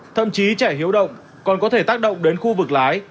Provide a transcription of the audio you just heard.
thậm chí trẻ hiếu động còn có thể tác động đến khu vực lái